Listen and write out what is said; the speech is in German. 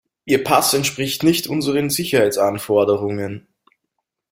Ihr Pass entspricht nicht unseren Sicherheitsanforderungen.